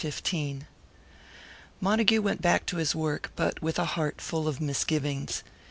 CHAPTER XV Montague went back to his work, but with a heart full of misgivings.